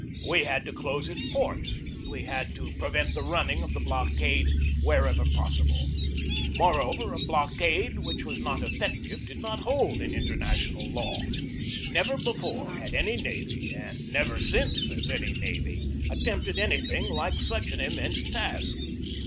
We had to close its ports and we had to prevent the running of the blockade wherever possible. Moreover, a block ade which was not effective did not hold in inter national law. Never before had any navy, and never since has any navy, attempted anything like such an immense task.